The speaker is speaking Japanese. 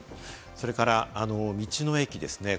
それから道の駅です。